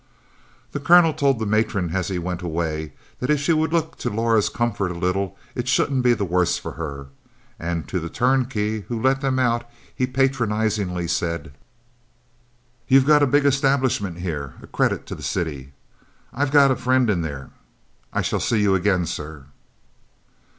The colonel told the matron as he went away that if she would look to Laura's comfort a little it shouldn't be the worse for her; and to the turnkey who let them out he patronizingly said, "You've got a big establishment here, a credit to the city. I've got a friend in there I shall see you again, sir."